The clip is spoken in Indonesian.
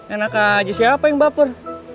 enak aja siapa yang baper